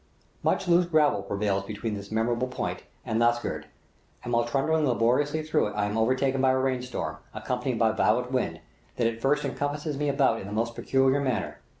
Much loose gravel prevails between this memorable point and Lasgird, and while trundling laboriously through it I am overtaken by a rain storm, accompanied by violent wind, that at first encompasses me about in the most peculiar manner.